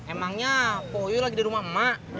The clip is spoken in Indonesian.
emangnya pak uyuy lagi di rumah mak